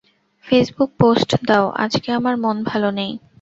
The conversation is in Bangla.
ফেসবুক পোস্ট দাও, আজকে আমার মন ভালো নেই।